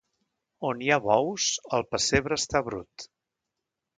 On hi ha bous, el pessebre està brut.